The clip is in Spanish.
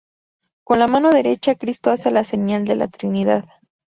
Con la mano derecha, Cristo hace la señal de la trinidad.